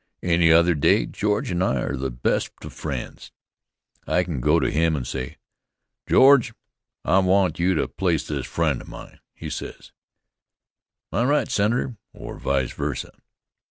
Any other day George and I are the best of friends. I can go to him and say: "George, I want you to place this friend of mine." He says: "Mi right, Senator." Or vice versa.